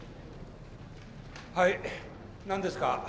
はい何ですか？